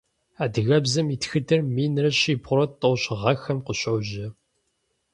Адыгэбзэм и тхыдэр минрэ щибгъурэ тӏощӏ гъэхэм къыщожьэ.